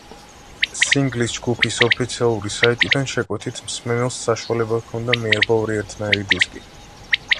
სინგლის ჯგუფის ოფიციალური საიტიდან შეკვეთით მსმენელს საშუალება ჰქონდა, მიეღო ორი ერთნაირი დისკი.